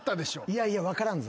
いやいや分からんぞ。